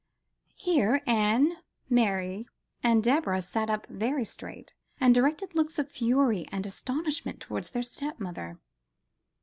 Here Anne, Mary and Deborah sat up very straight, and directed looks of fury and astonishment towards their stepmother.